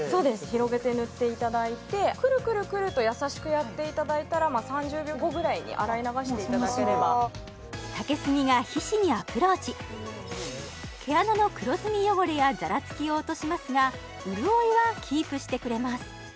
広げて塗っていただいてくるくるくると優しくやっていただいたら３０秒後ぐらいに洗い流していただければもうそんなすぐ竹炭が皮脂にアプローチ毛穴の黒ずみ汚れやざらつきを落としますが潤いはキープしてくれます